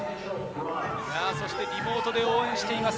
リモートで応援しています。